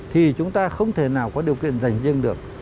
thì chúng ta không thể nào có điều kiện giành riêng được